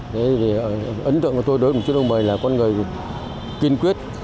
thế thì ấn tượng của tôi đối với chú đỗ mười là con người kiên quyết